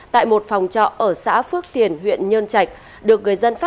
tại một phòng trọ ở xã phước tiền huyện nhân trạch